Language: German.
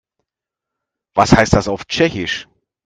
Was heißt das auf Tschechisch?